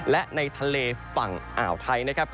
และในทะเลฝั่งอ่าวไทยนะครับ